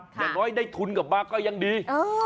อย่างน้อยได้ทุนกลับมาก็ยังดี